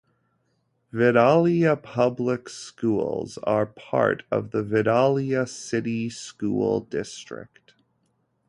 Vidalia Public Schools are part of the Vidalia City School District.